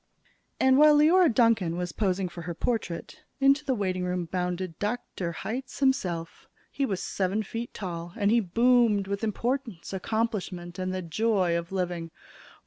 And, while Leora Duncan was posing for her portrait, into the waitingroom bounded Dr. Hitz himself. He was seven feet tall, and he boomed with importance, accomplishments, and the joy of living.